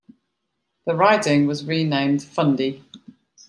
The riding was renamed "Fundy".